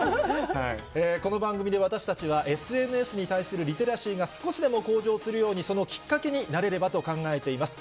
この番組で、私たちはＳＮＳに対するリテラシーが、少しでも向上するように、そのきっかけになれればと考えています。